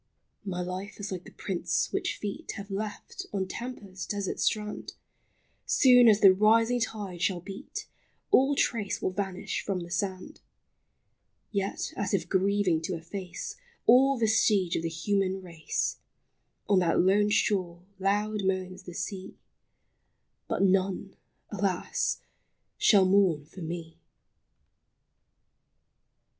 My life is like the prints which feet Have left on Tampa's desert strand ; Soon as the rising tide shall beat, All trace will vanish from the sand ; Yet, as if grieving to efface All vestige of the human race, On that lone shore loud moans the sea,— ■ But none, alas ! shall mourn for me